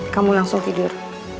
kamu langsung tidur